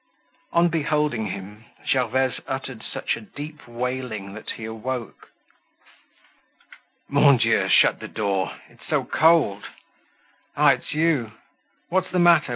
On beholding him Gervaise uttered such a deep wailing that he awoke. "Mon Dieu! shut the door! It's so cold! Ah! it's you! What's the matter?